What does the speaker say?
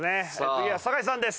次は坂井さんです。